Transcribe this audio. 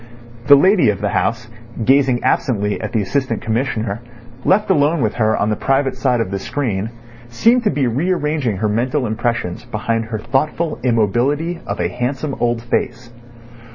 The lady of the house, gazing absently at the Assistant Commissioner, left alone with her on the private side of the screen, seemed to be rearranging her mental impressions behind her thoughtful immobility of a handsome old face.